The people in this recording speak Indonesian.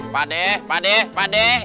pak deh pak deh pak deh